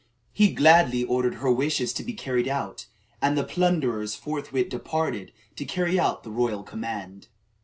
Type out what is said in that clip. He gladly ordered her wishes to be carried out, and the plunderers forthwith departed to carry out the royal command.